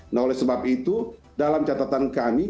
nah oleh sebab itu dalam catatan kami